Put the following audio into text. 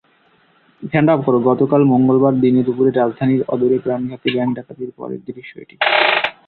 গতকাল মঙ্গলবার দিনেদুপুরে রাজধানীর অদূরে প্রাণঘাতী ব্যাংক ডাকাতির পরের দৃশ্য এটি।